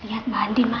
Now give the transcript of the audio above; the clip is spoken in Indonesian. liat mbak andin mas